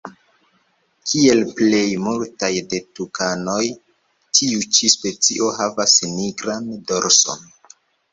Kiel plej multaj de tukanoj tiu ĉi specio havas nigran dorson.